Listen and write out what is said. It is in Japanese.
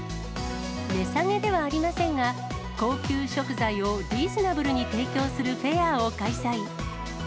値下げではありませんが、高級食材をリーズナブルに提供するフェアを開催。